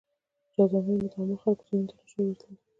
جذامیان د عامو خلکو ځایونو ته نه شوای ورتلی.